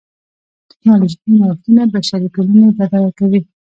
ټکنالوژیکي نوښتونه بشري ټولنې بډایه کوي.